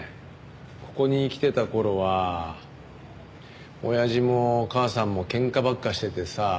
ここに来てた頃はおやじも母さんも喧嘩ばっかしててさ。